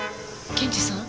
検事さん？